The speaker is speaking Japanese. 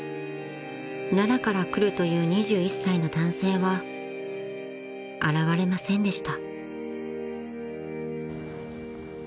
［奈良から来るという２１歳の男性は現れませんでした］